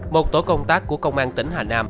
một tổ công tác của công an tỉnh hà nam